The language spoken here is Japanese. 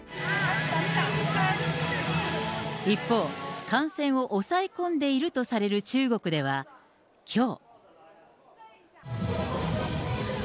一方、感染を抑え込んでいるとされる中国では、きょう。